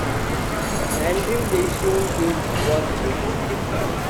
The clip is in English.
Andrew Leyshon-Hughes was a patient.